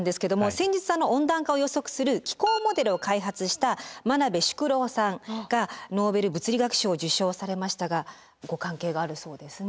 先日温暖化を予測する気候モデルを開発した真鍋淑郎さんがノーベル物理学賞を受賞されましたがご関係があるそうですね。